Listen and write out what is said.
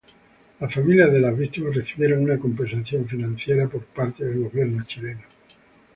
Las familias de las víctimas recibieron una compensación financiera por parte del gobierno chileno.